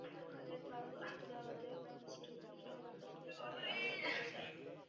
তাঁদের ধারালো অস্ত্রের আঘাতে কনস্টেবল শাহাদাত হোসেনের পায়ের আঙুল কেটে যায়।